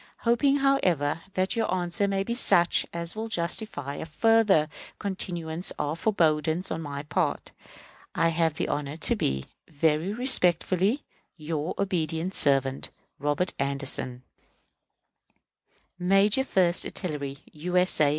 Hoping, however, that your answer may be such as will justify a further continuance of forbearance on my part, I have the honor to be, Very respectfully, your obedient servant, ROBERT ANDERSON, _Major First Artillery U. S. A.